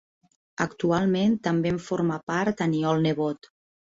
Actualment també en forma part Aniol Nebot.